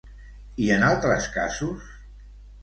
I en altres casos?